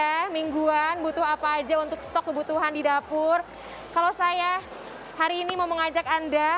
ya mingguan butuh apa aja untuk stok kebutuhan di dapur kalau saya hari ini mau mengajak anda